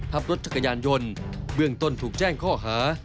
รถจักรยานยนต์เบื้องต้นถูกแจ้งข้อหา